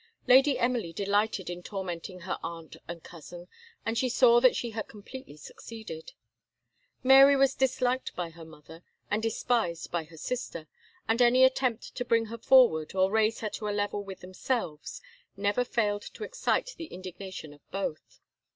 Lady Emily delighted in tormenting her aunt and cousin, and she saw that she had completely succeeded. Mary was disliked by her mother, and despised by her sister; and any attempt to bring her forward, or raise her to a level with themselves, never failed to excite the indignation of both.